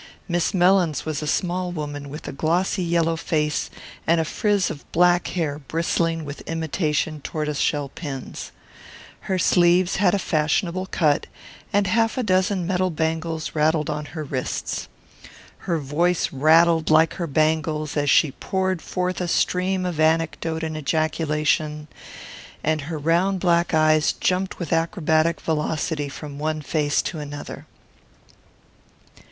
Miss Mellins was a small woman with a glossy yellow face and a frizz of black hair bristling with imitation tortoise shell pins. Her sleeves had a fashionable cut, and half a dozen metal bangles rattled on her wrists. Her voice rattled like her bangles as she poured forth a stream of anecdote and ejaculation; and her round black eyes jumped with acrobatic velocity from one face to another.